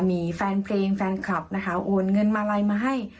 มีแฟนเพลงแฟนคลับนะคะโอนเงินมาลัยมาให้